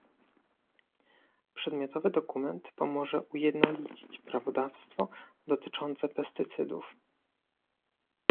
Przedmiotowy dokument pomoże ujednolicić prawodawstwo dotyczące pestycydów